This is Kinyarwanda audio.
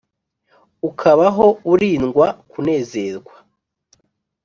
Ukabaho urindwa kunezerwa